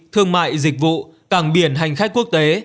thương mại dịch vụ cảng biển hành khách quốc tế